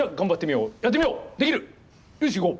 よしいこう！